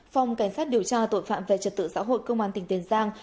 phòng cảnh sát điều tra tội phạm về trật tự xã hội công an tỉnh tiền giang